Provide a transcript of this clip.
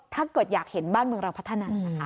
ถ้าเกิดอยากเห็นบ้านเมืองเราพัฒนานะคะ